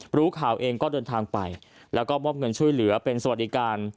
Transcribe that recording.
รู้ข่าวเองก็เดินทางไปแล้วก็มอบเงินช่วยเหลือเป็นสวัสดิการ